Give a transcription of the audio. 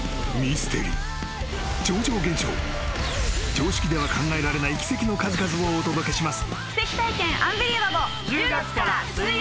［常識では考えられない奇跡の数々をお届けします］